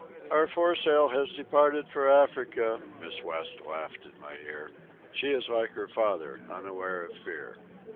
"Our foresail has departed for Africa," Miss West laughed in my ear. She is like her father, unaware of fear.